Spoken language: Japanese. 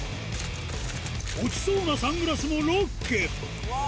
落ちそうなサングラスもロックうわぁ！